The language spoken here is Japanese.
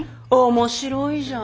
面白いじゃん。